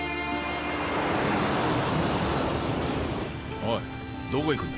おいどこ行くんだ？